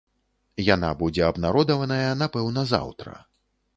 Яна будзе абнародаваная, напэўна, заўтра.